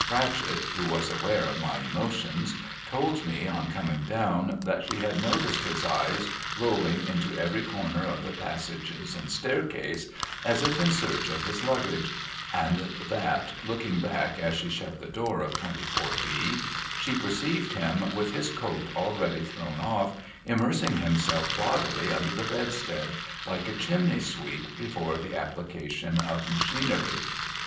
Pratchett (who was aware of my emotions) told me, on coming down, that she had noticed his eye rolling into every corner of the passages and staircase, as if in search of his Luggage, and that, looking back as she shut the door of 24 B, she perceived him with his coat already thrown off immersing him self bodily under the bedstead, like a chimney sweep before the application of machinery.